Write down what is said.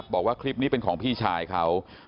บอกว่าคลิปนี้เป็นของพี่ชายเขา